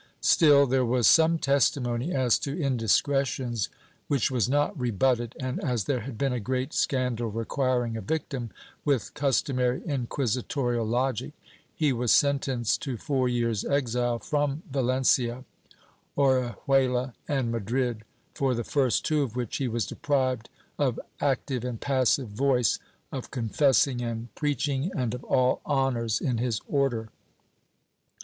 Still, there was some testimony as to indiscretions, which was not rebutted and, as there had been a great scandal requiring a victim, with custo mary inquisitorial logic, he was sentenced to four years' exile from Valencia, Orihuela and Madrid, for the first two of which he was deprived of active and passive voice, of confessing and preach ing and of all honors in his Order.